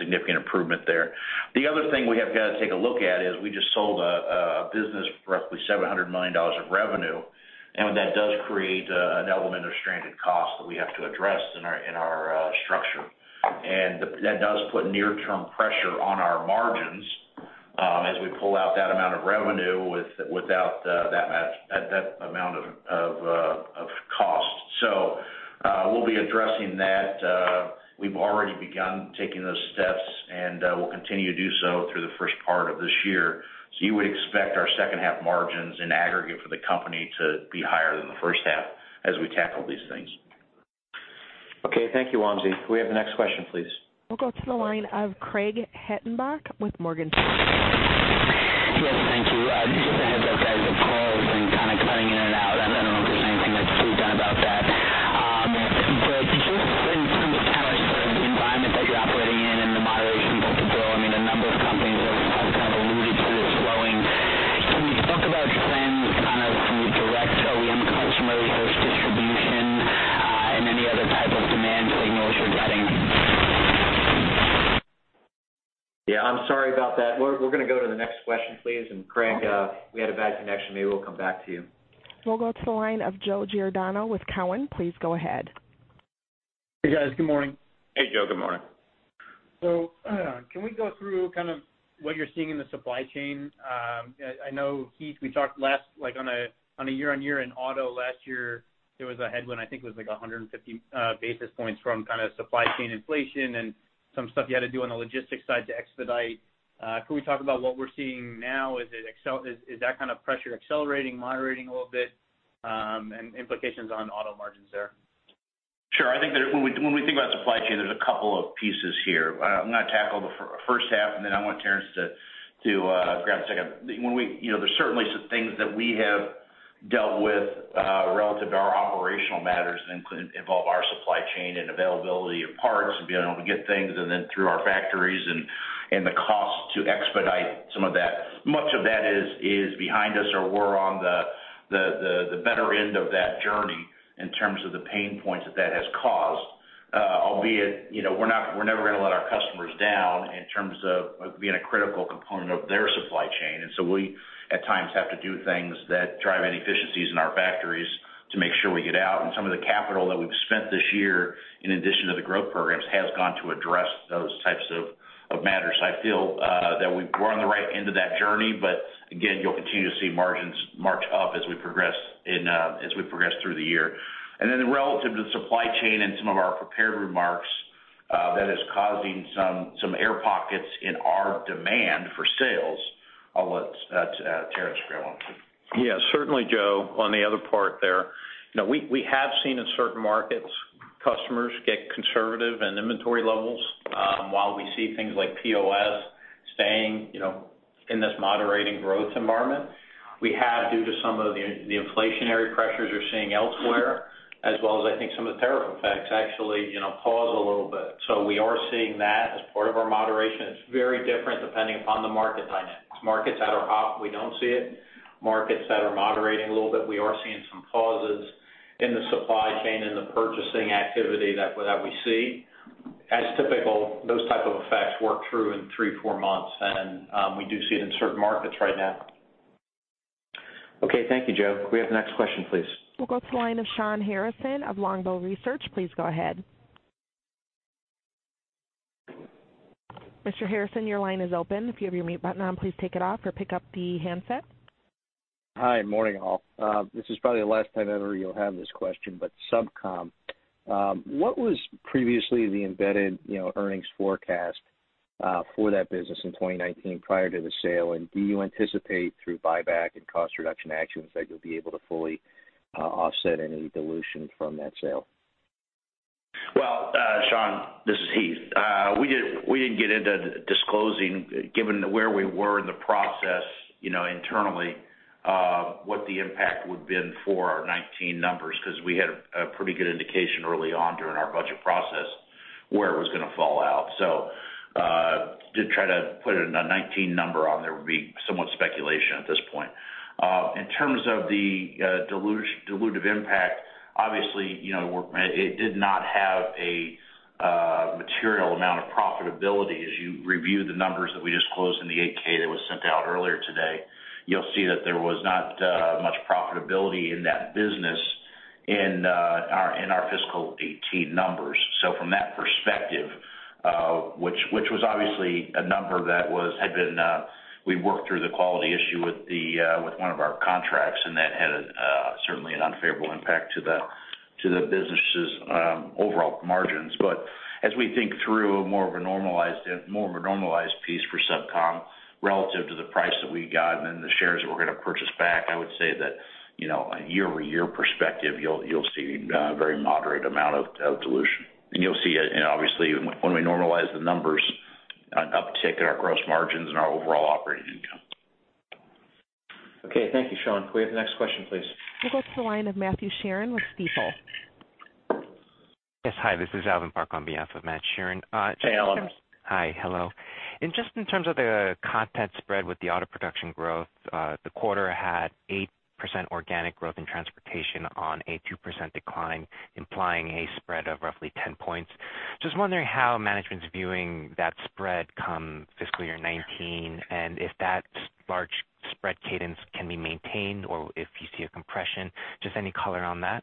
significant improvement there. The other thing we have got to take a look at is we just sold a business for roughly $700 million of revenue. And that does create an element of stranded cost that we have to address in our structure. And that does put near-term pressure on our margins as we pull out that amount of revenue without that amount of cost. So we'll be addressing that. We've already begun taking those steps, and we'll continue to do so through the first part of this year. So you would expect our second-half margins in aggregate for the company to be higher than the first half as we tackle these things. Okay. Thank you, Wamsi Mohan. Could we have the next question, please? We'll go to the line of Craig Hettenbach with Morgan Stanley. Yes, thank you. Just ahead of the guide of the call, it's been kind of cutting in and out. I don't know if there's anything that's to be done about that. But just in terms of kind of the environment that you're operating in and the moderation that you're doing, I mean, a number of companies have kind of alluded to this slowing. Can you talk about trends kind of from your direct OEM customers versus distribution and any other type of demand signals you're getting? Yeah. I'm sorry about that. We're going to go to the next question, please. Craig, we had a bad connection. Maybe we'll come back to you. We'll go to the line of Joe Giordano with Cowen. Please go ahead. Hey, guys. Good morning. Hey, Joe. Good morning. So can we go through kind of what you're seeing in the supply chain? I know, Heath, we talked last on a year-on-year in auto last year, there was a headwind, I think it was like 150 basis points from kind of supply chain inflation and some stuff you had to do on the logistics side to expedite. Could we talk about what we're seeing now? Is that kind of pressure accelerating, moderating a little bit, and implications on auto margins there? Sure. I think that when we think about supply chain, there's a couple of pieces here. I'm going to tackle the first half, and then I want Terrence to grab the second. There's certainly some things that we have dealt with relative to our operational matters that involve our supply chain and availability of parts and being able to get things and then through our factories and the cost to expedite some of that. Much of that is behind us, or we're on the better end of that journey in terms of the pain points that that has caused, albeit we're never going to let our customers down in terms of being a critical component of their supply chain. And so we, at times, have to do things that drive inefficiencies in our factories to make sure we get out. And some of the capital that we've spent this year, in addition to the growth programs, has gone to address those types of matters. I feel that we're on the right end of that journey. But again, you'll continue to see margins march up as we progress through the year. And then relative to the supply chain and some of our prepared remarks, that is causing some air pockets in our demand for sales. I'll let Terrence grab one. Yeah. Certainly, Joe, on the other part there. We have seen in certain markets, customers get conservative in inventory levels while we see things like POS staying in this moderating growth environment. We have, due to some of the inflationary pressures you're seeing elsewhere, as well as I think some of the tariff effects, actually pause a little bit. So we are seeing that as part of our moderation. It's very different depending upon the market dynamics. Markets that are hot, we don't see it. Markets that are moderating a little bit, we are seeing some pauses in the supply chain and the purchasing activity that we see. As typical, those type of effects work through in three, four months. And we do see it in certain markets right now. Okay. Thank you, Joe. Could we have the next question, please? We'll go to the line of Shawn Harrison of Longbow Research. Please go ahead. Mr. Harrison, your line is open. If you have your mute button on, please take it off or pick up the handset. Hi. Morning, all. This is probably the last time ever you'll have this question, but SubCom, what was previously the embedded earnings forecast for that business in 2019 prior to the sale? And do you anticipate, through buyback and cost reduction actions, that you'll be able to fully offset any dilution from that sale? Well, Shawn, this is Heath. We didn't get into disclosing, given where we were in the process internally, what the impact would have been for our 2019 numbers because we had a pretty good indication early on during our budget process where it was going to fall out. So to try to put a 2019 number on there would be somewhat speculation at this point. In terms of the dilutive impact, obviously, it did not have a material amount of profitability. As you review the numbers that we disclosed in the 8-K that was sent out earlier today, you'll see that there was not much profitability in that business in our fiscal 2018 numbers. So from that perspective, which was obviously a number that had been we worked through the quality issue with one of our contracts, and that had certainly an unfavorable impact to the business's overall margins. But as we think through more of a normalized piece for SubCom relative to the price that we got and then the shares that we're going to purchase back, I would say that on a year-over-year perspective, you'll see a very moderate amount of dilution. And you'll see it, obviously, when we normalize the numbers, an uptick in our gross margins and our overall operating income. Okay. Thank you, Shawn. Could we have the next question, please? We'll go to the line of Matt Sheerin with Stifel. Yes. Hi. This is Alvin Park on behalf of Matt Sheerin. Hey, Alvin. Hi. Hello. And just in terms of the content spread with the auto production growth, the quarter had 8% organic growth in Transportation on a 2% decline, implying a spread of roughly 10 points. Just wondering how management's viewing that spread come fiscal year 2019 and if that large spread cadence can be maintained or if you see a compression. Just any color on that?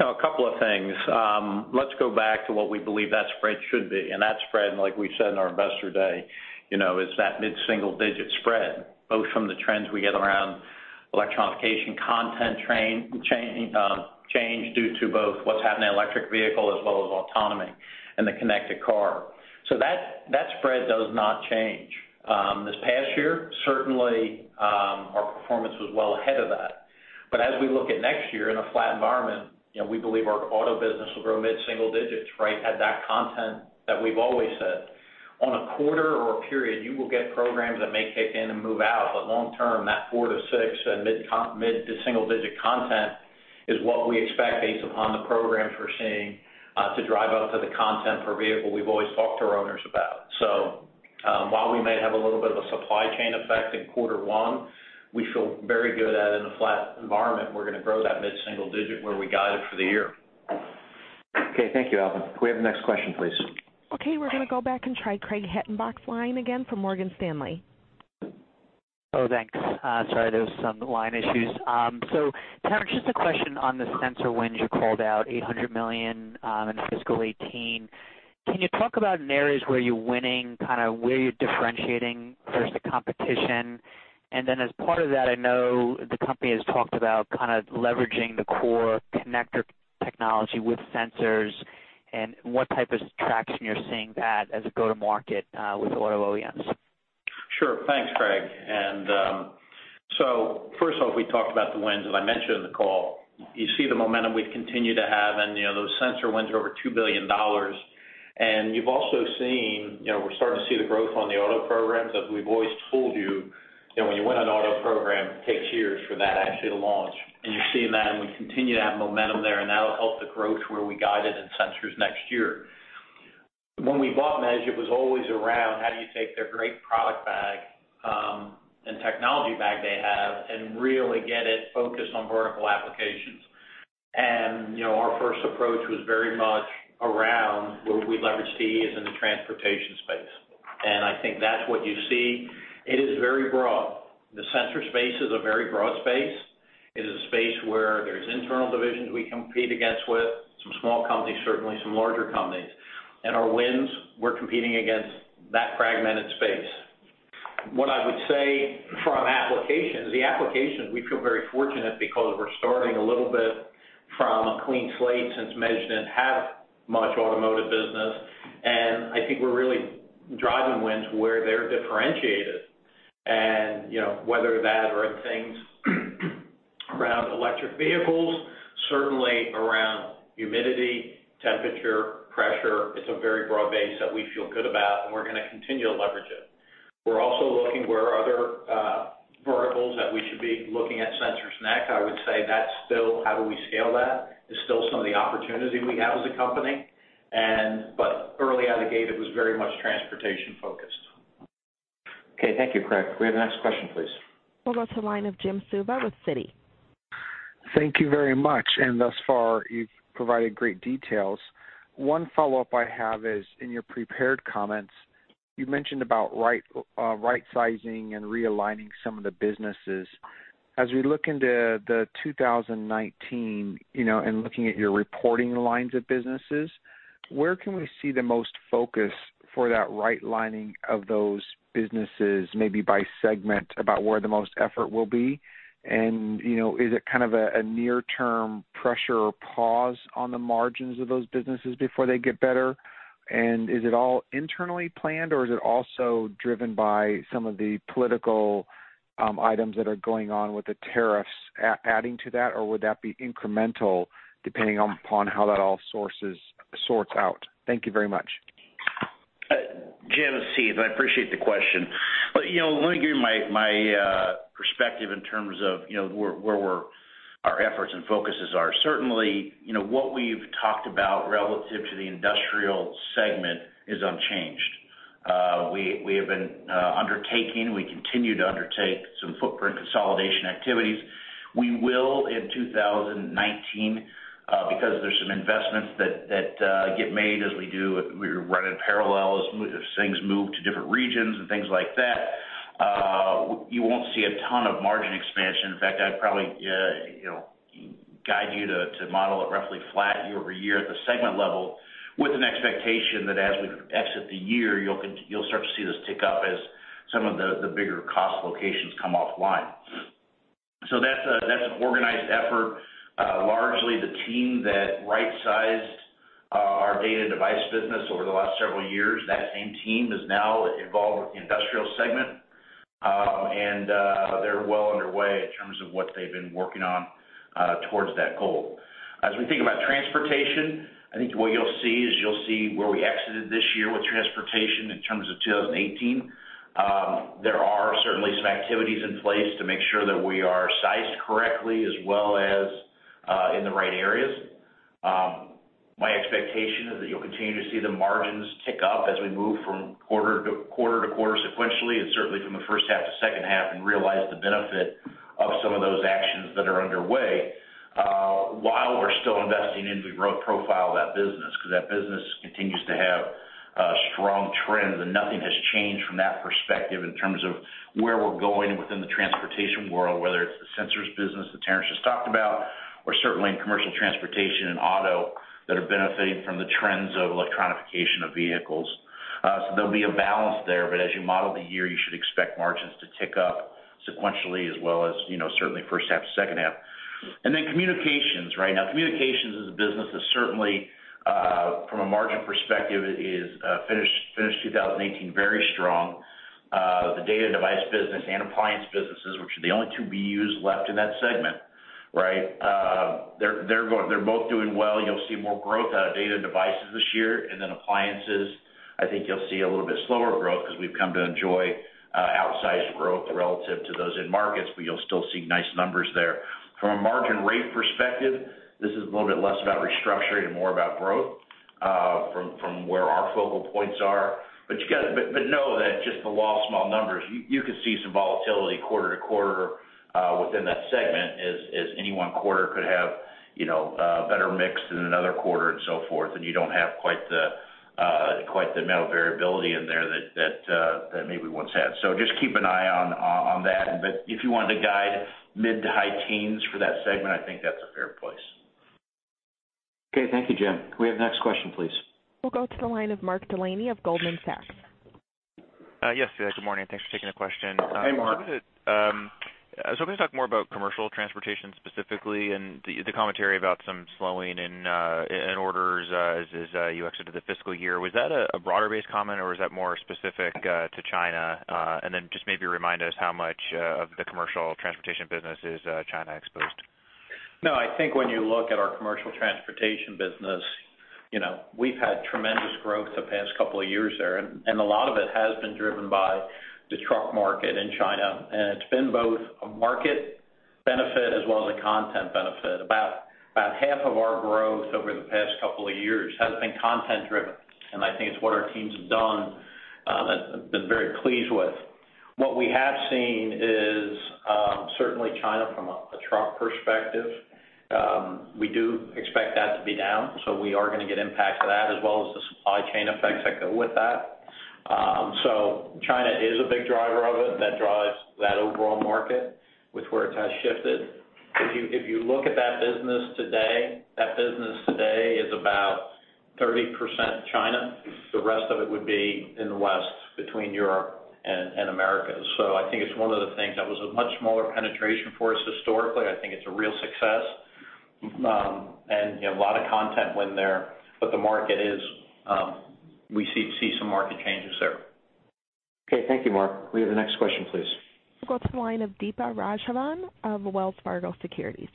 A couple of things. Let's go back to what we believe that spread should be. And that spread, like we said in our investor day, is that mid-single-digit spread, both from the trends we get around electronification content change due to both what's happening in electric vehicles as well as autonomy and the connected car. So that spread does not change. This past year, certainly, our performance was well ahead of that. But as we look at next year in a flat environment, we believe our auto business will grow mid-single digits, right, at that content that we've always said. On a quarter or a period, you will get programs that may kick in and move out. But long-term, that four to six and mid-single-digit content is what we expect based upon the programs we're seeing to drive up to the content per vehicle we've always talked to our owners about. So while we may have a little bit of a supply chain effect in quarter one, we feel very good that in a flat environment, we're going to grow that mid-single-digit where we guided for the year. Okay. Thank you, Alvin. Could we have the next question, please? Okay. We're going to go back and try Craig Hettenbach's line again from Morgan Stanley. Oh, thanks. Sorry. There were some line issues. So Terrence, just a question on the sensor wins you called out, $800 million in fiscal 2018. Can you talk about in areas where you're winning, kind of where you're differentiating versus the competition? And then as part of that, I know the company has talked about kind of leveraging the core connector technology with Sensors and what type of traction you're seeing that as a go-to-market with auto OEMs? Sure. Thanks, Craig. And so first off, we talked about the wins that I mentioned in the call. You see the momentum we've continued to have and those sensor wins are over $2 billion. And you've also seen we're starting to see the growth on the auto programs. As we've always told you, when you win an auto program, it takes years for that actually to launch. And you're seeing that, and we continue to have momentum there, and that'll help the growth where we guided in Sensors next year. When we bought Measurement Specialties, it was always around how do you take their great product bag and technology bag they have and really get it focused on vertical applications. Our first approach was very much around where we leverage TE's in the Transportation space. And I think that's what you see. It is very broad. The sensor space is a very broad space. It is a space where there's internal divisions we compete against with some small companies, certainly some larger companies. And our wins, we're competing against that fragmented space. What I would say from applications, the applications, we feel very fortunate because we're starting a little bit from a clean slate since Measurement Specialties didn't have much Automotive business. And I think we're really driving wins where they're differentiated. And whether that or in things around electric vehicles, certainly around humidity, temperature, pressure, it's a very broad base that we feel good about, and we're going to continue to leverage it. We're also looking where other verticals that we should be looking at Sensors next. I would say that's still how do we scale that is still some of the opportunity we have as a company. But early out of the gate, it was very much Transportation-focused. Okay. Thank you, Craig. Could we have the next question, please? We'll go to the line of Jim Suva with Citi. Thank you very much. And thus far, you've provided great details. One follow-up I have is in your prepared comments, you mentioned about right-sizing and realigning some of the businesses. As we look into 2019 and looking at your reporting lines of businesses, where can we see the most focus for that realigning of those businesses, maybe by segment, about where the most effort will be? And is it kind of a near-term pressure or pause on the margins of those businesses before they get better? And is it all internally planned, or is it also driven by some of the political items that are going on with the tariffs adding to that, or would that be incremental depending upon how that all sorts out? Thank you very much. Jim Suva, I appreciate the question. But let me give you my perspective in terms of where our efforts and focuses are. Certainly, what we've talked about relative to the Industrial segment is unchanged. We have been undertaking, we continue to undertake some footprint consolidation activities. We will in 2019, because there's some investments that get made as we run in parallel, as things move to different regions and things like that, you won't see a ton of margin expansion. In fact, I'd probably guide you to model it roughly flat year-over-year at the segment level with an expectation that as we exit the year, you'll start to see this tick up as some of the bigger cost locations come offline. So that's an organized effort. Largely, the team that right-sized our Data and Devices business over the last several years, that same team is now involved with the Industrial segment. And they're well underway in terms of what they've been working on towards that goal. As we think about Transportation, I think what you'll see is you'll see where we exited this year with Transportation in terms of 2018. There are certainly some activities in place to make sure that we are sized correctly as well as in the right areas. My expectation is that you'll continue to see the margins tick up as we move from quarter to quarter sequentially and certainly from the first half to second half and realize the benefit of some of those actions that are underway while we're still investing into the growth profile of that business because that business continues to have strong trends. Nothing has changed from that perspective in terms of where we're going within the Transportation world, whether it's the Sensors business that Terrence just talked about, or certainly Commercial Transportation and auto that are benefiting from the trends of electrification of vehicles. There'll be a balance there. But as you model the year, you should expect margins to tick up sequentially as well as certainly first half to second half. And then Communications, right? Now, Communications is a business that certainly, from a margin perspective, finished 2018 very strong. the Data and Devices business and Appliances businesses, which are the only two we have left in that segment, right? They're both doing well. You'll see more growth out of Data and Devices this year. And then Appliances, I think you'll see a little bit slower growth because we've come to enjoy outsized growth relative to those in markets, but you'll still see nice numbers there. From a margin rate perspective, this is a little bit less about restructuring and more about growth from where our focal points are. But know that just those small numbers, you could see some volatility quarter to quarter within that segment as any one quarter could have a better mix than another quarter and so forth. And you don't have quite the amount of variability in there that maybe we once had. So just keep an eye on that. But if you wanted to guide mid-to-high teens for that segment, I think that's a fair place. Okay. Thank you, Jim. Could we have the next question, please? We'll go to the line of Mark Delaney of Goldman Sachs. Yes, good morning. Thanks for taking the question. Hey, Mark. So can we talk more Commercial Transportation specifically and the commentary about some slowing in orders as you exited the fiscal year? Was that a broader-based comment, or was that more specific to China? Then just maybe remind us how much of Commercial Transportation business is China-exposed. No, I think when you look at Commercial Transportation business, we've had tremendous growth the past couple of years there. And a lot of it has been driven by the truck market in China. And it's been both a market benefit as well as a content benefit. About half of our growth over the past couple of years has been content-driven. And I think it's what our teams have done that I've been very pleased with. What we have seen is certainly China from a truck perspective. We do expect that to be down. So we are going to get impact to that as well as the supply chain effects that go with that. So China is a big driver of it that drives that overall market with where it has shifted. If you look at that business today, that business today is about 30% China. The rest of it would be in the West between Europe and America. So I think it's one of the things that was a much smaller penetration for us historically. I think it's a real success. And a lot of content went there. But the market is we see some market changes there. Okay. Thank you, Mark. Could we have the next question, please? We'll go to the line of Deepa Raghavan of Wells Fargo Securities.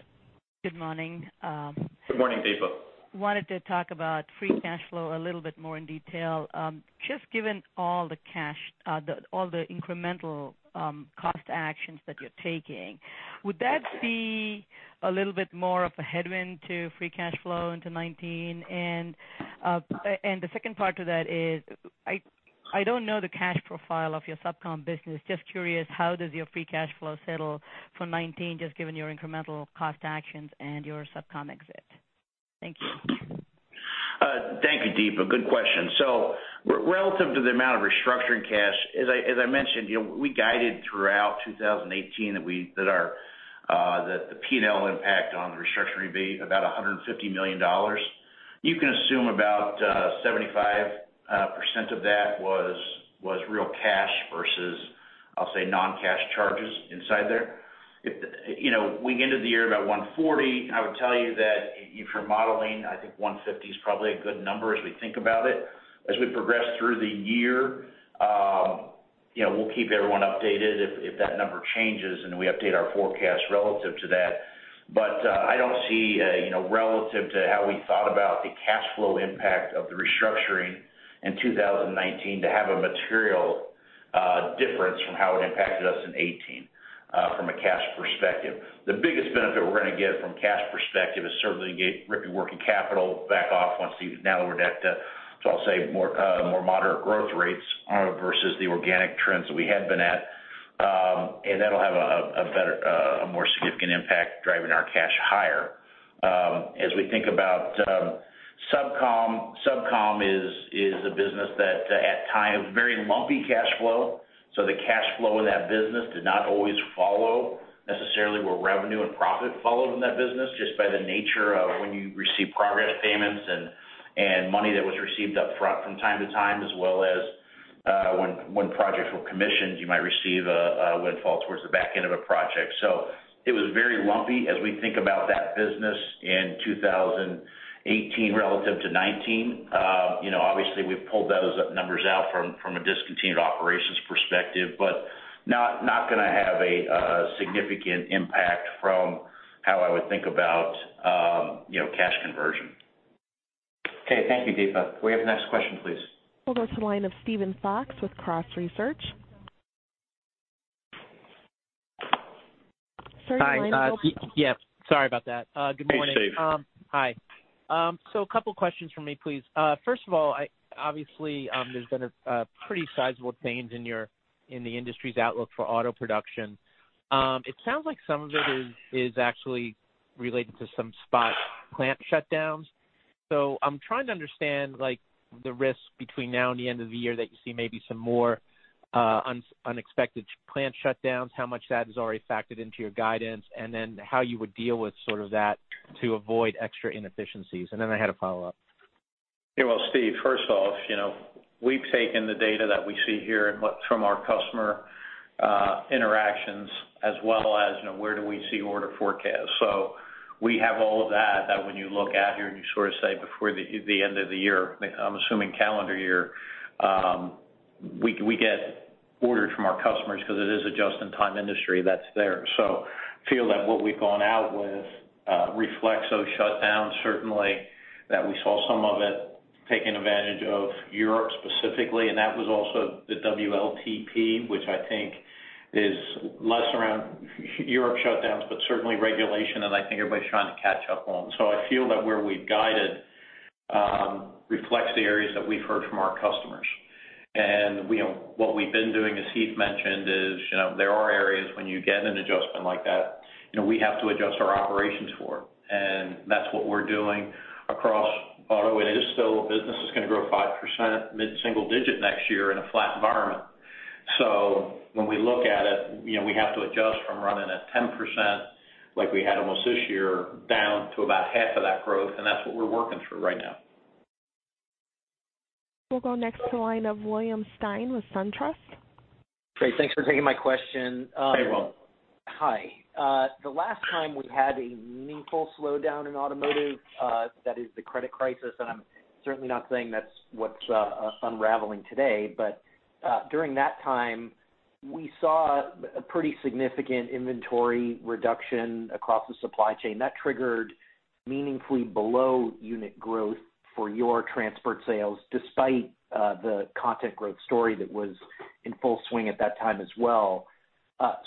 Good morning. Good morning, Deepa. Wanted to talk about free cash flow a little bit more in detail. Just given all the incremental cost actions that you're taking, would that be a little bit more of a headwind to free cash flow into 2019? And the second part to that is I don't know the cash profile of your SubCom business. Just curious, how does your free cash flow settle for 2019 just given your incremental cost actions and your SubCom exit? Thank you. Thank you, Deepa. Good question. So relative to the amount of restructuring cash, as I mentioned, we guided throughout 2018 that the P&L impact on the restructuring would be about $150 million. You can assume about 75% of that was real cash versus, I'll say, non-cash charges inside there. We ended the year about $140 million. I would tell you that if you're modeling, I think $150 million is probably a good number as we think about it. As we progress through the year, we'll keep everyone updated if that number changes, and we update our forecast relative to that. But I don't see, relative to how we thought about the cash flow impact of the restructuring in 2019, to have a material difference from how it impacted us in 2018 from a cash perspective. The biggest benefit we're going to get from a cash perspective is certainly working capital back off once we're down to, I'll say, more moderate growth rates versus the organic trends that we had been at. That'll have a more significant impact driving our cash higher. As we think about SubCom, SubCom is a business that at times very lumpy cash flow. So the cash flow in that business did not always follow necessarily where revenue and profit followed in that business just by the nature of when you receive progress payments and money that was received upfront from time to time as well as when projects were commissioned, you might receive a windfall towards the back end of a project. So it was very lumpy as we think about that business in 2018 relative to 2019. Obviously, we've pulled those numbers out from a discontinued operations perspective, but not going to have a significant impact from how I would think about cash conversion. Okay. Thank you, Deepa. Could we have the next question, please? We'll go to the line of Steven Fox with Cross Research. Yes. Sorry about that. Good morning. Hey, Steve. Hi. So a couple of questions for me, please. First of all, obviously, there's been a pretty sizable change in the industry's outlook for auto production. It sounds like some of it is actually related to some spot plant shutdowns. So I'm trying to understand the risk between now and the end of the year that you see maybe some more unexpected plant shutdowns, how much that has already factored into your guidance, and then how you would deal with sort of that to avoid extra inefficiencies. And then I had a follow-up. Well, Steve, first off, we've taken the data that we see here from our customer interactions as well as where do we see order forecasts. So we have all of that that when you look at here and you sort of say before the end of the year, I'm assuming calendar year, we get orders from our customers because it is a just-in-time industry that's there. So I feel that what we've gone out with reflects those shutdowns, certainly that we saw some of it taking advantage of Europe specifically. And that was also the WLTP, which I think is less around Europe shutdowns, but certainly regulation. And I think everybody's trying to catch up on. So I feel that where we've guided reflects the areas that we've heard from our customers. And what we've been doing, as Heath mentioned, is there are areas when you get an adjustment like that, we have to adjust our operations for. And that's what we're doing across auto. And it is still a business that's going to grow 5% mid-single digit next year in a flat environment. So when we look at it, we have to adjust from running at 10% like we had almost this year down to about half of that growth. And that's what we're working through right now. We'll go next to the line of William Stein with SunTrust. Great. Thanks for taking my question. Hey, Will. Hi. The last time we had a meaningful slowdown in Automotive, that is the credit crisis. And I'm certainly not saying that's what's unraveling today. But during that time, we saw a pretty significant inventory reduction across the supply chain. That triggered meaningfully below-unit growth for your transport sales despite the content growth story that was in full swing at that time as well.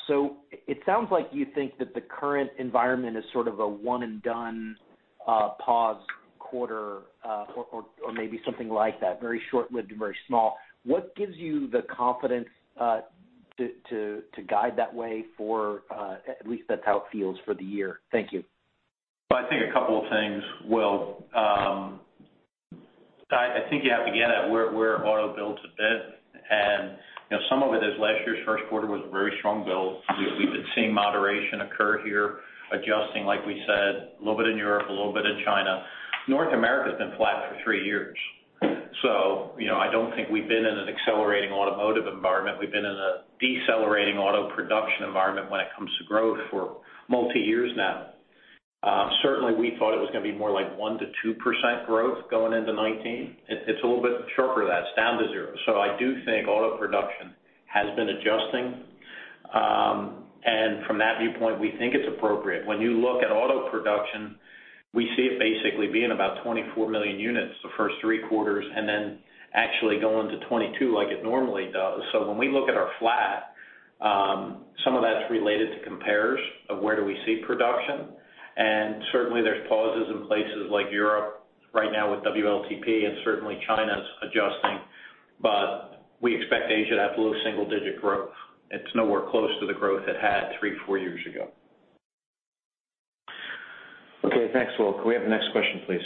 So it sounds like you think that the current environment is sort of a one-and-done pause quarter or maybe something like that, very short-lived and very small. What gives you the confidence to guide that way for at least that's how it feels for the year? Thank you. I think a couple of things. Well, I think you have to get at where auto builds have been. And some of it is last year's first quarter was a very strong build. We've been seeing moderation occur here, adjusting, like we said, a little bit in Europe, a little bit in China. North America has been flat for three years. So I don't think we've been in an accelerating Automotive environment. We've been in a decelerating auto production environment when it comes to growth for multi-years now. Certainly, we thought it was going to be more like 1%-2% growth going into 2019. It's a little bit shorter of that, it's down to zero. So I do think auto production has been adjusting. And from that viewpoint, we think it's appropriate. When you look at auto production, we see it basically being about 24 million units the first three quarters and then actually going to 22 million like it normally does. So when we look at our flat, some of that's related to comparison of where do we see production. And certainly, there's pauses in places like Europe right now with WLTP and certainly China's adjusting. But we expect Asia to have low single-digit growth. It's nowhere close to the growth it had three, four years ago. Okay. Thanks, Will. Could we have the next question, please?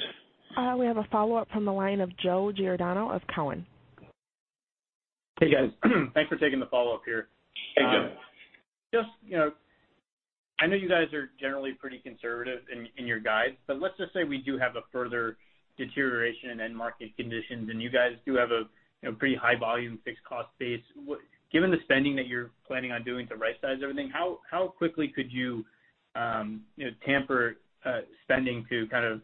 We have a follow-up from the line of Joe Giordano of Cowen. Hey, guys. Thanks for taking the follow-up here. Hey, Joe. Just, I know you guys are generally pretty conservative in your guides. But let's just say we do have a further deterioration in end market conditions. You guys do have a pretty high-volume fixed cost base. Given the spending that you're planning on doing to right-size everything, how quickly could you tamper spending to kind of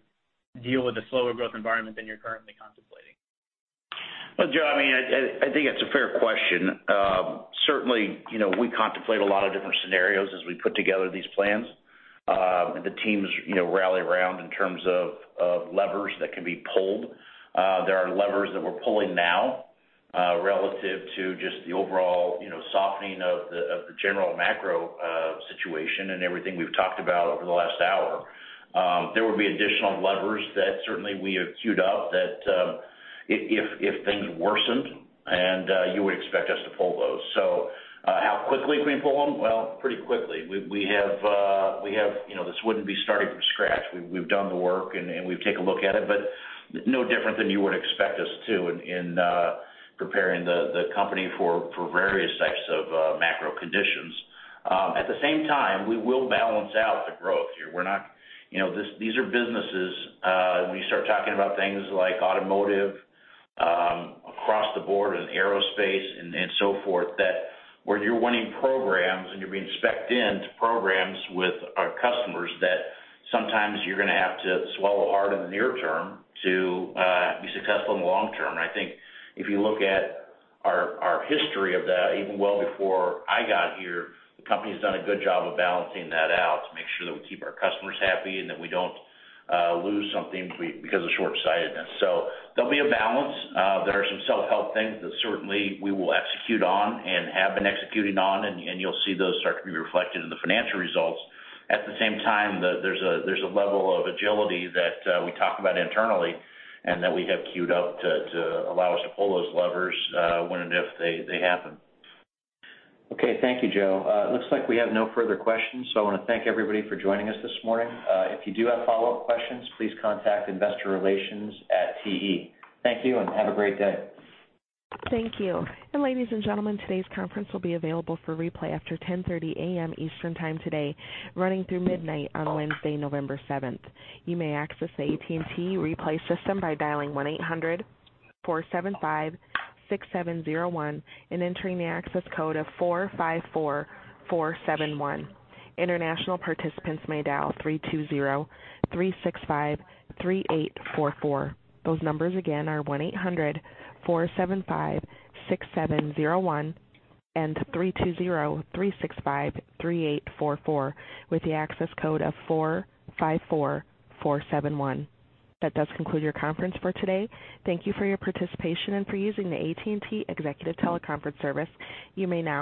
deal with a slower growth environment than you're currently contemplating? Well, Joe, I mean, I think it's a fair question. Certainly, we contemplate a lot of different scenarios as we put together these plans. And the teams rally around in terms of levers that can be pulled. There are levers that we're pulling now relative to just the overall softening of the general macro situation and everything we've talked about over the last hour. There would be additional levers that certainly we have queued up that if things worsened, and you would expect us to pull those. So how quickly can we pull them? Well, pretty quickly. We have. This wouldn't be starting from scratch. We've done the work, and we've taken a look at it. But no different than you would expect us to in preparing the company for various types of macro conditions. At the same time, we will balance out the growth here. We're not these are businesses when you start talking about things like Automotive across the board and aerospace and so forth that where you're winning programs and you're being spec'd into programs with our customers that sometimes you're going to have to swallow hard in the near term to be successful in the long term. And I think if you look at our history of that, even well before I got here, the company has done a good job of balancing that out to make sure that we keep our customers happy and that we don't lose something because of shortsightedness. So there'll be a balance. There are some self-help things that certainly we will execute on and have been executing on. And you'll see those start to be reflected in the financial results. At the same time, there's a level of agility that we talk about internally and that we have queued up to allow us to pull those levers when and if they happen. Okay. Thank you, Joe. It looks like we have no further questions. I want to thank everybody for joining us this morning. If you do have follow-up questions, please contact investorrelations@te. Thank you and have a great day. Thank you. Ladies and gentlemen, today's conference will be available for replay after 10:30 A.M. Eastern Time today running through midnight on Wednesday, November 7th. You may access the AT&T replay system by dialing 1-800-475-6701 and entering the access code of 454471. International participants may dial 320-365-3844. Those numbers again are 1-800-475-6701 and 320-365-3844 with the access code of 454471. That does conclude your conference for today. Thank you for your participation and for using the AT&T Executive Teleconference Service. You may now.